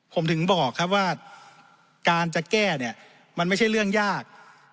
ผมถึงบอกครับว่าการจะแก้เนี่ยมันไม่ใช่เรื่องยาก